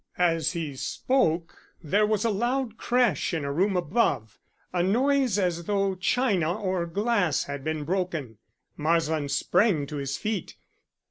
As he spoke, there was a loud crash in a room above a noise as though china or glass had been broken. Marsland sprang to his feet.